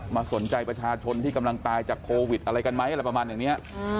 มาสนใจประชาชนที่กำลังตายจากโควิดอะไรกันไหมอะไรประมาณอย่างนี้